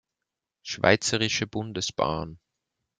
Schweizerische Bundesbahn